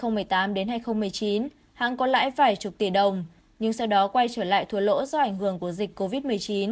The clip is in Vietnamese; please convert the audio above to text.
giai đoạn hai nghìn một mươi tám hai nghìn một mươi chín hãng có lãi phải chục tỷ đồng nhưng sau đó quay trở lại thua lỗ do ảnh hưởng của dịch covid một mươi chín